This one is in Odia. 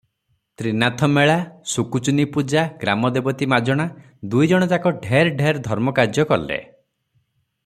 ତ୍ରିନାଥମେଳା, ସୁକୁଚୂନିପୂଜା, ଗ୍ରାମଦେବତୀ ମାଜଣା, ଦୁଇଜଣଯାକ ଢେର ଢେର ଧର୍ମ କାର୍ଯ୍ୟ କଲେ ।